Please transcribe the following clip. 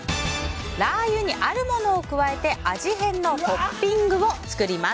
ラー油にあるものを加えて味変のトッピングを作ります。